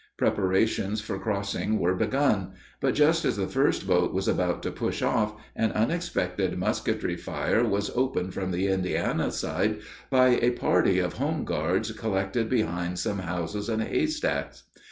Preparations for crossing were begun; but, just as the first boat was about to push off, an unexpected musketry fire was opened from the Indiana side by a party of home guards collected behind some houses and haystacks.